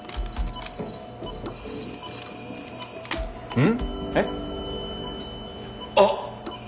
うん？えっ？あっ！